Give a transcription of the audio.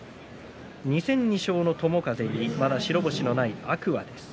２戦２勝の友風にまだ白星のない天空海です